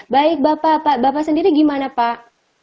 baik bapak bapak sendiri gimana pak